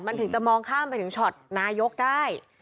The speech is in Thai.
มันถึงจะมองข้ามไปถึงช็อตนายกได้